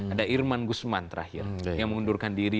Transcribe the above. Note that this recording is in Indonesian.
ada irman gusman terakhir yang mengundurkan diri